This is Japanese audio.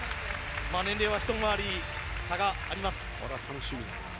年齢はひと回り差があります。